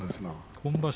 今場所